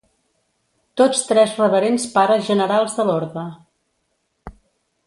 Tots tres Reverends Pares Generals de l'orde.